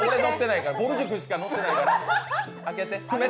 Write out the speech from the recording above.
ぼる塾しか乗ってないから。